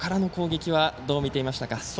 ここからの攻撃はどう見ていましたか？